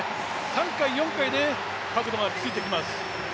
３回、４回で角度がついてきます。